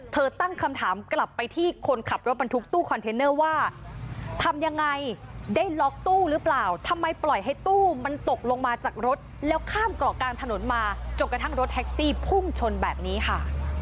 ตั้งคำถามกลับไปที่คนขับรถบรรทุกตู้คอนเทนเนอร์ว่าทำยังไงได้ล็อกตู้หรือเปล่าทำไมปล่อยให้ตู้มันตกลงมาจากรถแล้วข้ามเกาะกลางถนนมาจนกระทั่งรถแท็กซี่พุ่งชนแบบนี้ค่ะ